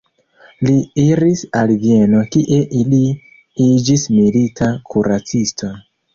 Li iris al Vieno kie li iĝis milita kuracisto.